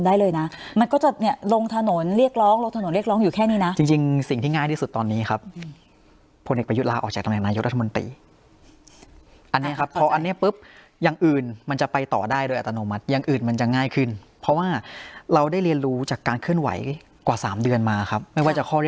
ได้เลยนะมันก็จะเนี่ยลงถนนเรียกร้องลงถนนเรียกร้องอยู่แค่นี้นะจริงจริงสิ่งที่ง่ายที่สุดตอนนี้ครับผลเอกประยุทธ์ลาออกจากตำแหน่งนายกรัฐมนตรีอันนี้ครับพออันนี้ปุ๊บอย่างอื่นมันจะไปต่อได้โดยอัตโนมัติอย่างอื่นมันจะง่ายขึ้นเพราะว่าเราได้เรียนรู้จากการเคลื่อนไหวกว่าสามเดือนมาครับไม่ว่าจะข้อ